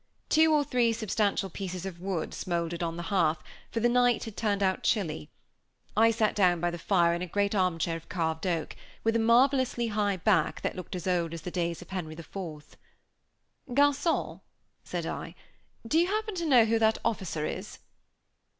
Two or three substantial pieces of wood smoldered on the hearth, for the night had turned out chilly. I sat down by the fire in a great armchair of carved oak, with a marvelously high back that looked as old as the days of Henry IV. "Garçon," said I, "do you happen to know who that officer is?"